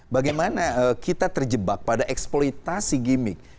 bagaimana kita terjebak pada eksploitasi gimmick